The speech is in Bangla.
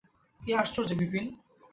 কী আশ্চর্য বিপিন!